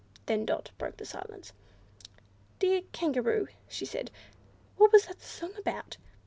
Then Dot broke the silence. "Dear Kangaroo," said she, "what was that song about?"